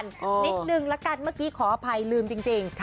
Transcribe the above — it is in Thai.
นิดนึงละกันเมื่อกี้ขออภัยลืมจริง